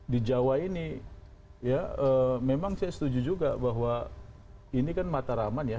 di jawa ini ya memang saya setuju juga bahwa ini kan mataraman ya